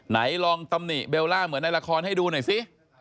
ไหนลองตำหนิเบลล่าเหมือนในละครให้ดูหน่อยซิ